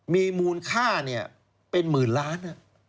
มีมูลค่าเป็นหมื่นล้าน